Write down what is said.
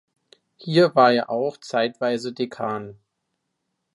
Hier war er auch zeitweise Dekan.